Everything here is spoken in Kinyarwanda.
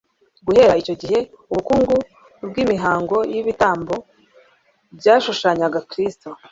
Guhera icyo gihe ubukungu bw'imihango y'ibitambo byashushanyaga Kristo